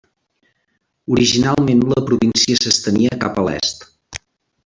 Originalment la província s'estenia cap a l'est.